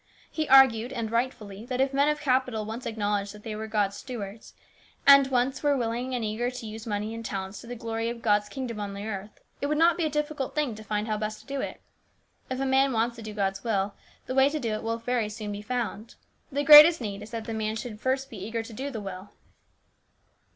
He argued, and rightfully, that if men of capital once acknowledged that they were God's stewards, and once were willing and eager to use money and talents to the glory of God's kingdom on the earth, it would not be a difficult thing to find how best to do it. If a man wants to do God's will, the way to do it will very soon be found. The great need is that the mari^ should first be eager to do the will.